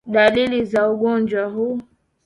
Dalili za ugonjwa huu